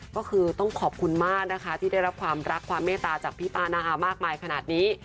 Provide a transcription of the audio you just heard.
ก็คือต้องขอบคุณมากนะคะที่ได้รับความรักความเมตตาจากพี่ป้านาอามากมายขนาดนี้